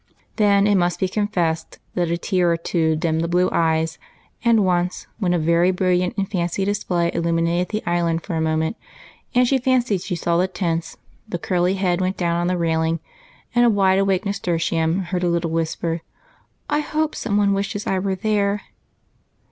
Then it must be confessed that a tear or two dimmed the blue eyes, and once, when a very brilliant display illuminated the island for a moment, and she fancied she saw the tents, the curly head went down on the railing, and a wide awake nasturtium heard a little whisper, —" I ho23e some one wishes I was there